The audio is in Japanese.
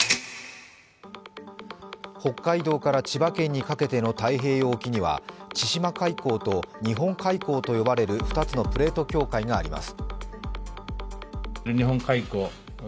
北海道から千葉県にかけての太平洋沖には千島海溝と日本海溝と呼ばれる２つのプレート境界があります。